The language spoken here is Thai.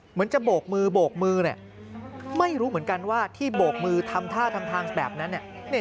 เหมือนจะโบกมือโบกมือเนี่ยไม่รู้เหมือนกันว่าที่โบกมือทำท่าทำทางแบบนั้น